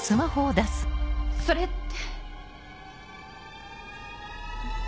それって。